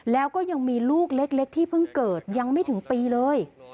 แล้วก็ยังมีลูกเล็กที่เพิ่งเกิดยังไม่ถึงปีเลย